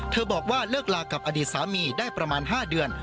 บอกว่าเลิกลากับอดีตสามีได้ประมาณ๕เดือน